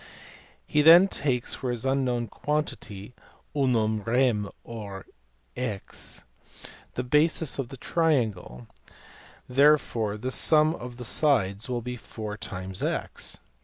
He then takes for his unknown quantity (unam rem or x) the base of the triangle, and therefore the sum of the sides will be x.